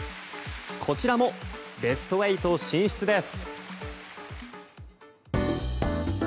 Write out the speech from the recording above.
こちらもベスト８進出です。